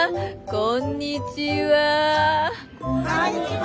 こんにちは。